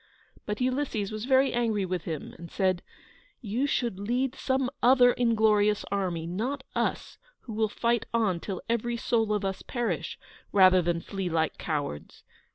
But Ulysses was very angry with him, and said: "You should lead some other inglorious army, not us, who will fight on till every soul of us perish, rather than flee like cowards!